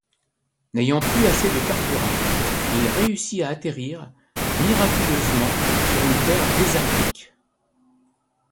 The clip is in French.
N'ayant plus assez de carburant, il réussit à atterrir miraculeusement sur une terre désertique.